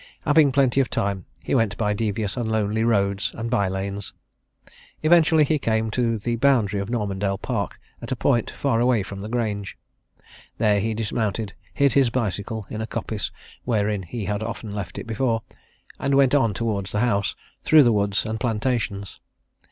Having plenty of time he went by devious and lonely roads and by lanes. Eventually he came to the boundary of Normandale Park at a point far away from the Grange. There he dismounted, hid his bicycle in a coppice wherein he had often left it before, and went on towards the house through the woods and plantations.